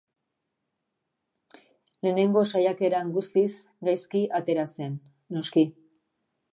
Lehenengo saiakeran guztiz gaizki atera zen, noski.